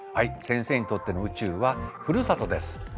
先生にとっての宇宙はふるさとです。